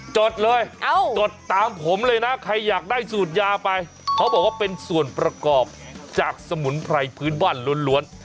จดเลยจดตามผมเลยนะใครอยากได้สูตรยาไปเขาบอกว่าเป็นส่วนประกอบจากสมุนไพรพื้นบ้านล้วน